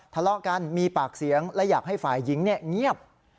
ทะเลาะกันมีปากเสียงและอยากให้ฝ่ายหญิงเงียบ